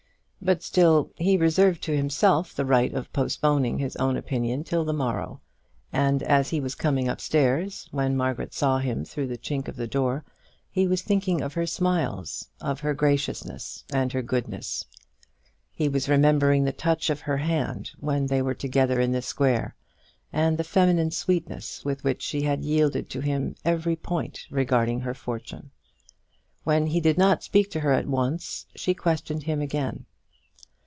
But, still, he reserved to himself the right of postponing his own opinion till the morrow; and as he was coming upstairs, when Margaret saw him through the chink of the door, he was thinking of her smiles, of her graciousness, and her goodness. He was remembering the touch of her hand when they were together in the square, and the feminine sweetness with which she had yielded to him every point regarding her fortune. When he did not speak to her at once, she questioned him again.